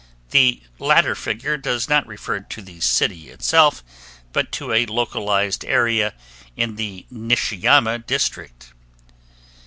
The latter figure does not refer to the city itself, but to a localized area in the Nishiyama District.